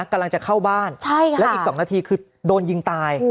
กำลังจะเข้าบ้านและอีก๒นาทีคือโดนยิงตาย